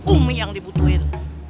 umi yang dibutuhin